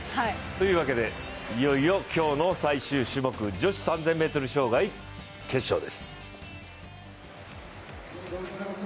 というわけで、いよいよ今日の最終種目、女子３０００ｍ障害決勝です。